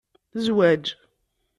Zwaǧ